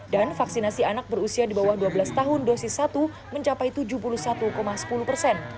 dan vaksinasi anak berusia di bawah dua belas tahun dosis satu mencapai tujuh puluh satu sepuluh persen